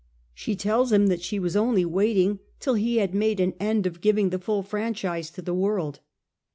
She tells him that she was only waiting till he had made an end of giving the full franchise to the world.